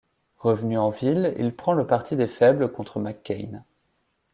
Revenu en ville, il prend le parti des faibles contre McCain.